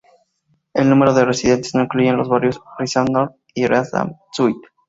El número de residentes no incluye los barrios Risdam-Noord y Risdam-Zuid.